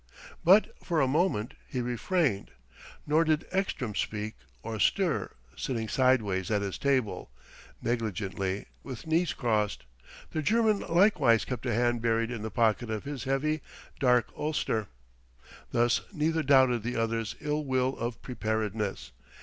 But for a moment he refrained. Nor did Ekstrom speak or stir; sitting sideways at his table, negligently, with knees crossed, the German likewise kept a hand buried in the pocket of his heavy, dark ulster. Thus neither doubted the other's ill will or preparedness.